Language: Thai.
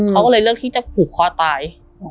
เขาก็เลยเลือกที่จะผูกคอตาย